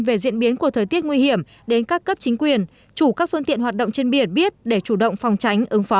về diễn biến của thời tiết nguy hiểm đến các cấp chính quyền chủ các phương tiện hoạt động trên biển biết để chủ động phòng tránh ứng phó